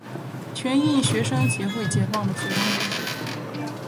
全印学生协会解放的学生组织。